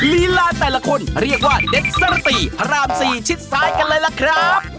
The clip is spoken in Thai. ลีลาแต่ละคนเรียกว่าเด็กสระตีพระราม๔ชิดซ้ายกันเลยล่ะครับ